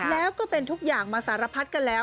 แล้วก็เป็นทุกอย่างมาสารพัดกันแล้ว